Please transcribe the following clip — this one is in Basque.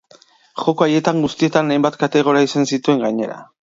Joko haietan guztietan, hainbat kategoria izan zituen gainera.